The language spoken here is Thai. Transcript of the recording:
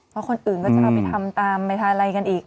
เพราะคนอื่นก็จะเอาไปทำตามไปทานอะไรกันอีก